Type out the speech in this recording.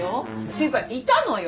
ていうかいたのよ。